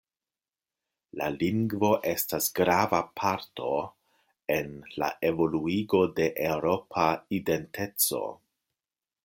La lingvo estas grava parto en la evoluigo de eŭropa identeco.